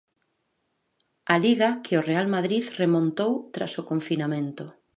A Liga que o Real Madrid remontou tras o confinamento.